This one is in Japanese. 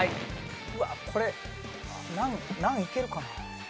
うわっこれ難いけるかな？